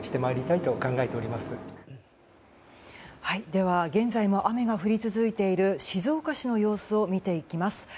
では現在も雨が降り続いている静岡市の様子を見ていきます。